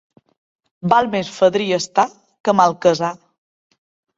Val més fadrí estar que malcasar.